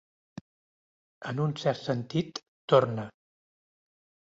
En un cert sentit, torna.